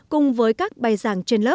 cùng với các bài giảng